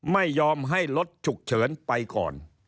ไม่ยอมให้รถฉุกเฉินไปก่อน